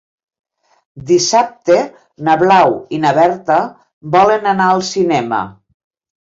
Dissabte na Blau i na Berta volen anar al cinema.